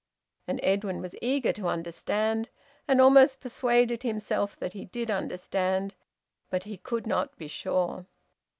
And Edwin was eager to understand, and almost persuaded himself that he did understand; but he could not be sure.